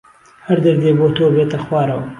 هەر دەردێ بۆ تۆ بێتە خوارەوە